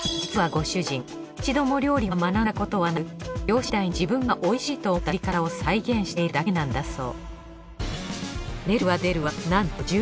一度も料理は学んだことはなく漁師時代に自分がおいしいと思った作り方を再現しているだけなんだそう。